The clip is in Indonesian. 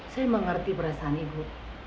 saya mengerti perasaan ibu